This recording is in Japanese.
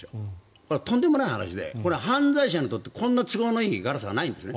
これはとんでもない話で犯罪者にとってこんなに都合のいいガラスはないんですね。